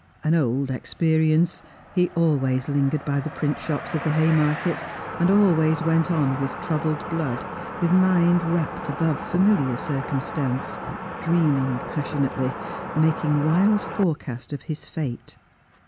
An old experience; he always lingered by the print shops of the Haymarket, and always went on with troubled blood, with mind rapt above familiar circumstance, dreaming passionately, making wild forecast of his fate.